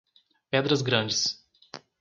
Pedras Grandes